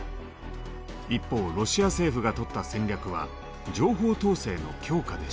一方ロシア政府がとった戦略は情報統制の強化でした。